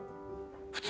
普通？